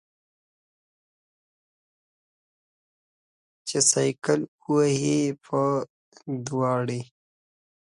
چې سایکل وهې په دوړې.